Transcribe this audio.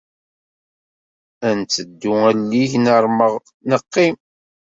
Ar nettedu allig neṛmey, neqqim.